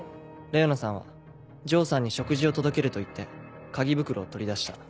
レオナさんは城さんに食事を届けると言って鍵袋を取り出した。